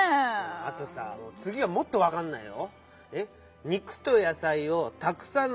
あとさつぎはもっとわかんないよ。